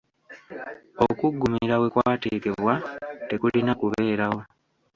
Okuggumira wekwateekebwa tekulina kubeerawo.